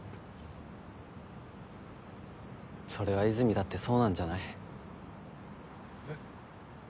それは和泉だってそうなんじゃない？えっ？